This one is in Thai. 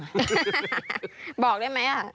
บอกได้ไหม